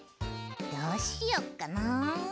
どうしよっかな。